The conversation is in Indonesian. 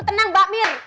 tenang mbak mir